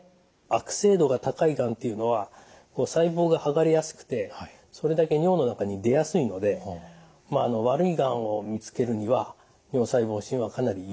悪性度が高いがんっていうのは細胞が剥がれやすくてそれだけ尿の中に出やすいので悪いがんを見つけるには尿細胞診はかなり有力ですね。